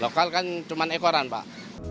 lokal kan cuma ekoran pak